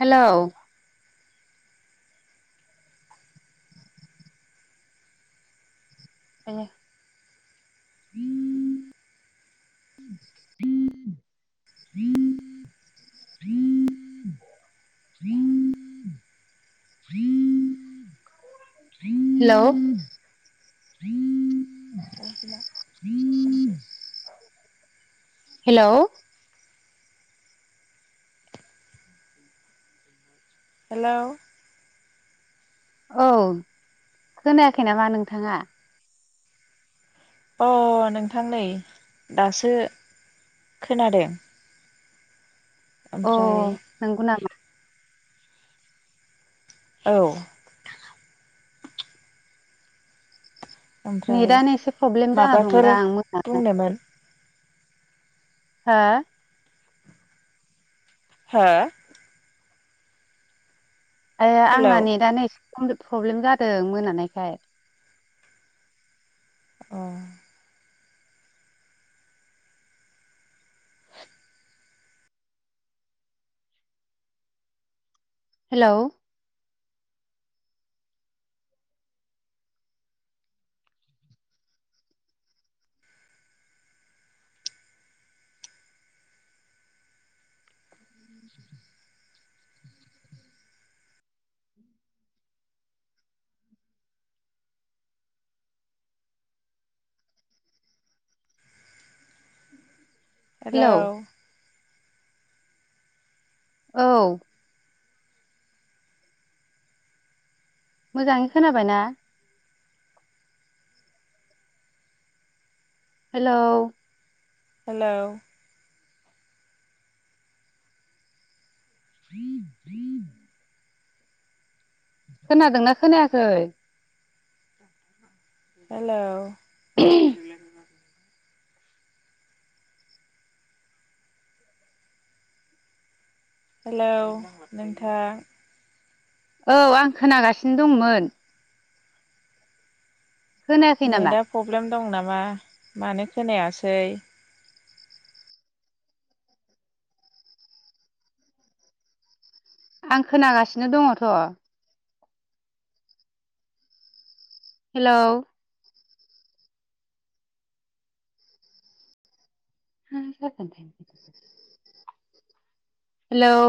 Hello. [unintelligible] [inaudible] [inaudible] Hello. [unintelligible] Hello. Hello. औ खोनायाखै नामा नोंथाङा? अह नोंथां नै दासो खोनादों। ओमफ्राय अह नंगौ नामा? औ। ओमफ्राय नेट आनो एसे प्रब्लेम जाना माबाफोर दंदां बुंनोमोन मोनानायखाय। हो? हो? ओ हेलौ आंना नेटानो इसे प्रब्लेम जादों मोनानायखाय। अह। हेलौ। [inaudible] हेलौ। औ। मोजाङै खोनाबायना? हेलौ। हेलौ। खोनादोंना खोनायाखै? हेलौ? हेलौ नोंथां? औ आं खोनागासिनो दंमोन। खोनायाखै नामा नेटआ प्रब्लेम दं नामा, मानो खोनायासै? आं खोनागासिनो दङथ'। हेलौ! [inaudible] हेलौ?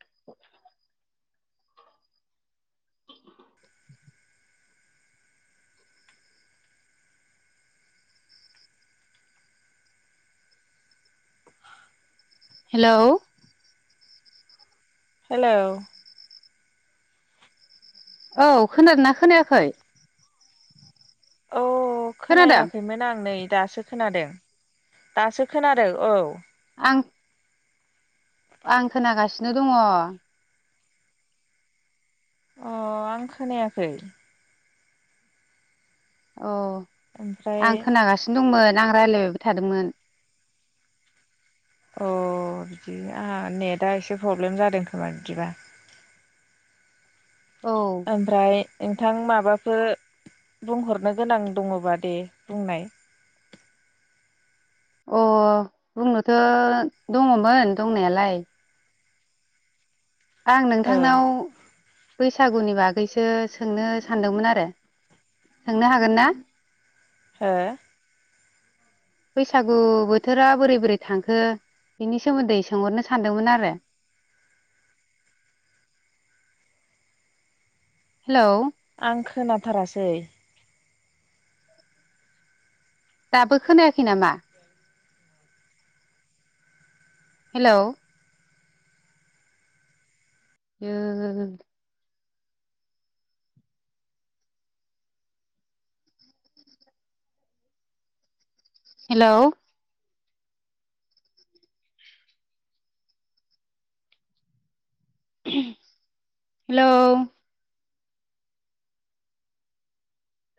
[inaudible] हेलौ? हेलौ? औ खोनादोंना खोनायाखै? औ खोनादों खोनायाखैमोन आं नै दासो खोनादों दासो खोनादों औ। आं आं खोनागासिनो दङ। अ आं खोनायाखै। अ ओमफ्राय आं खोनागासिनो दंमोन, आं रायलायबायबो थादोंमोन। अ बिदि आंहा नेटआ एसे प्रब्लेम जादों खोमा बिदिबा। औ। ओमफ्राय नोंथां माबाफोर बुंहरनो गोनां दङबा दे बुंनाय। अ बुंनोथ' दङमोन दंनायालाय। आं ओ नोंथांनाव बैसागुनि बागैसो सोंनो सानदोंमोन आरो, सोंनो हागोन ना? हो? बैसागु बोथोरा बोरै बोरै थांखो बिनि सोमोन्दै सोंहरनो सानदोंमोन आरो। हेलौ? आं खोनाथारासै। दाबो खोनायाखै नामा? हेलौ? आयो! हेलौ? हेलौ!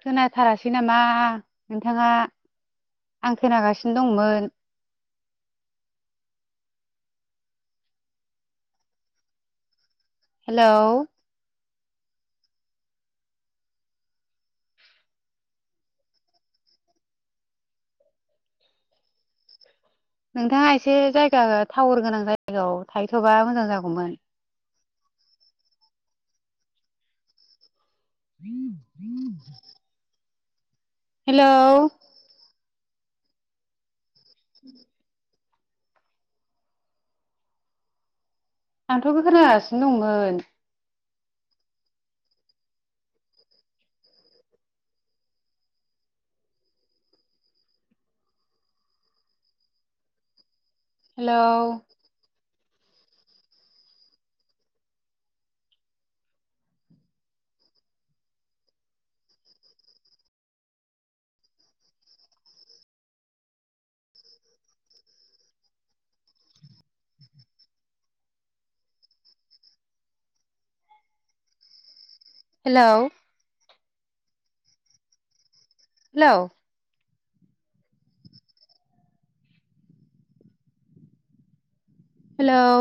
खोनाथारासै नामा नोंथाङा आं खोनागासिनो दंमोन। हेलौ? नोंथाङा एसे जायगा टावार गोनां जायगायाव थाहैथ'बा मोजां जागौमोन। [inaudible] हेलौ? उम [inaudible] आंथ' बे खोनागासिनो दंमोन। Hello? Hello? Hello? Hello?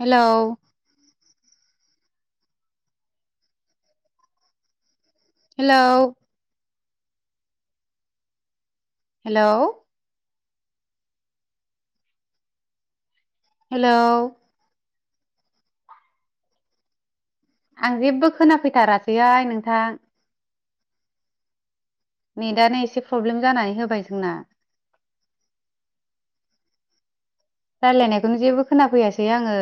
Hello hello hello hello आं जेबो खोनाफैथारासैहाय नोंथां। नेटानो एसे प्रब्लेम जानानै होबाय जोंना रायज्लायनायखौनो जेबो खोनाफैयासै आङो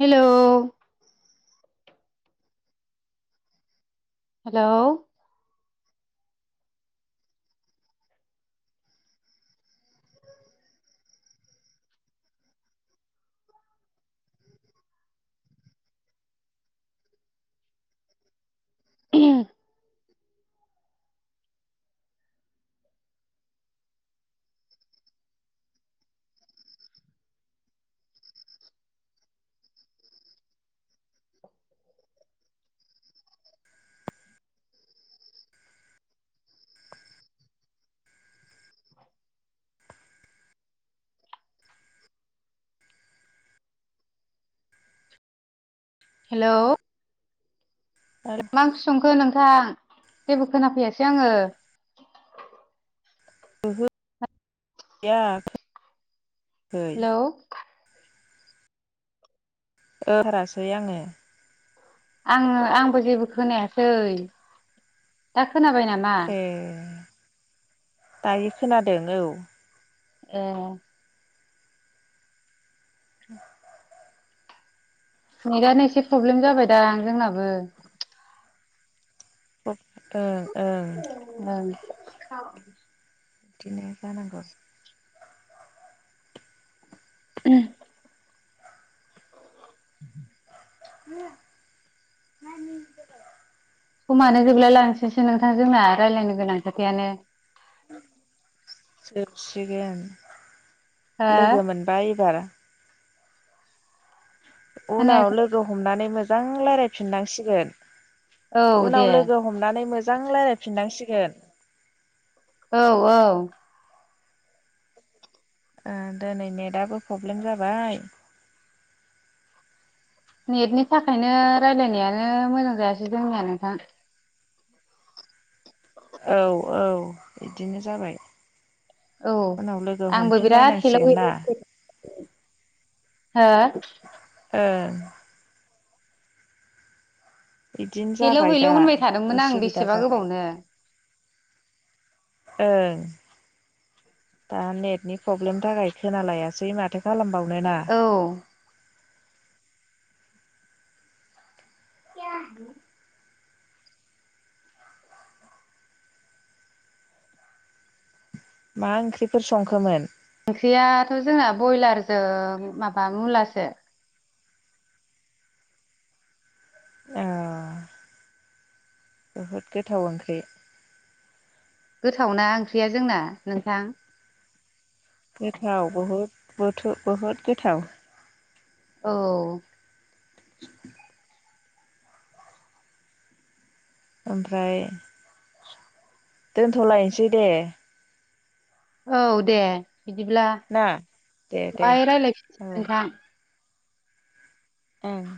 हेल' हेलौ ओम हेल' आरो [unintelligible] मा ओंख्रि संखो नोंथां जेबो खोनाफैयासै आङो ओहो गैया हेलौ ओहारासै आङो आङो आंबो जेबो खोनायासै दा खोनाबाय ए दायो खोनादों औ ए नेरानो एसे प्रब्लेम जाबायदां जोंनाबो ओं ओं ओं बिदिनो जानांगौ उम [inaudible] समानो जोबलायलांसैसै नोंथां जोंना रायज्लायनो गोनां खोथायानो हो लोगो मोनबा एबार उनाव खोनायाखै लोगो हमनानै मोजां रायजलायफिननांसिगोन औ दे उनाव लोगो हमनानै मोजां रायलायफिननांसिगोन औ औ ओ दिनै नेटआबो प्रब्लेम जाबाय नेटनि थाखायनो रायलायनायानो मोजां जायासै जोंनिया नोंथां औ औ बिदिनो जाबाय औ उनाव लोगो आंबो बिराद हेलौ हमफिनलायनांसिगोन हेल ना हो ओ बिदिनो हेलौ जाबाय हेलौ दा होनबाय थादोंमोन आं उसुबिदा बेसेबा जाबाय गोबावनो ओ दा नेटनि प्रब्लेम थाखाय खोनालायासै माथो खालामबावनो ना औ [inaudible] मा ओंख्रिफोर संखोमोन ओंख्रियाथ' जोंना ब्रयलारजों माबा मुलासो ओ बहुद गोथाव ओंख्रि गोथावना ओंख्रिया जोंना नोंथां? गोथाव बहुद बुथ बुहुद गोथाव। औ। ओमफ्राय दोनथ'लायसै दे। औ दे बिदिब्लाबिदिब्ला ना दे दे दाहाय औ रायज्लायफीन बिदिब्ला। ओं।